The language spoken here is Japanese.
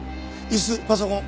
椅子パソコン